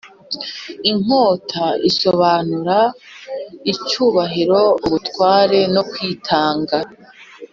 inkota, isobanura icyubahiro, ubutwari no kwitanga